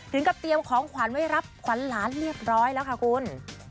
กับเตรียมของขวัญไว้รับขวัญหลานเรียบร้อยแล้วค่ะคุณ